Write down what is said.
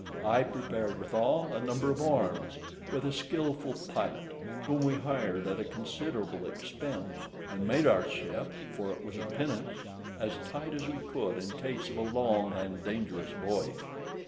I prepared withal, a number of arms, with a skilful pilot, whom we hired at a considerable expense, and made our ship (for it was a pinnace), as tight as we could in case of a long and dangerous voyage.